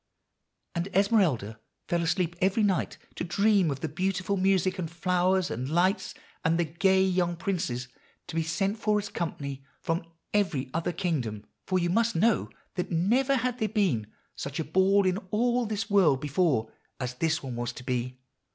And Esmeralda fell asleep every night to dream of the beautiful music, and flowers, and lights, and the gay young princes to be sent for as company from every other kingdom; for you must know that never had there been such a ball in all this world before as this one was to be.